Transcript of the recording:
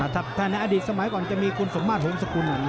ถ้าในอดีตสมัยก่อนจะมีคุณสมมาตรหงษกุล